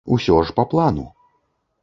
Усё ж па плану.